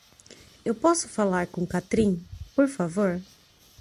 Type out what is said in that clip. Eu posso falar com Catrin, por favor?